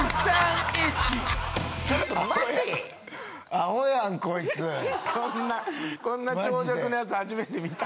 アホやんこいつこんな長尺のやつ初めて見た